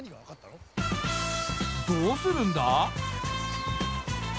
どうするんだ？